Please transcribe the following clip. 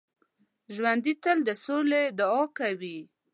ژوندي تل د سولې دعا کوي